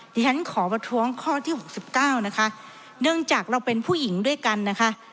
ดิฉันขอประท้วงข้อที่หกสิบเก้านะคะเนื่องจากเราเป็นผู้หญิงด้วยกันนะคะ